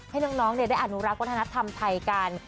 ให้น้องได้อนุรักษ์วัฒนธรรมไทยกัน